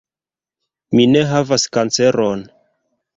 Mi ne havas kanceron.